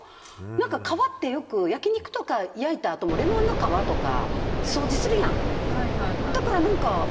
皮って焼き肉とか焼いたあともレモンの皮とか掃除するやん？